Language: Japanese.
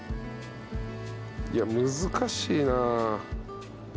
いや難しいな。